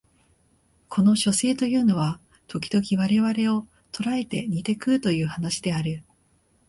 この書生というのは時々我々を捕えて煮て食うという話である